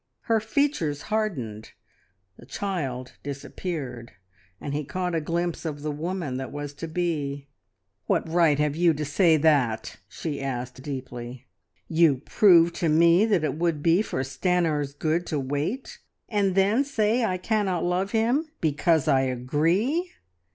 Her features hardened; the child disappeared and he caught a glimpse of the woman that was to be. "What right have you to say that?" she asked deeply. "You prove to me that it would be for Stanor's good to wait, and then say I cannot love him because I agree!